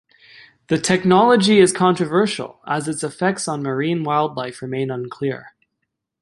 The technology is controversial as its effects on marine wildlife remain unclear.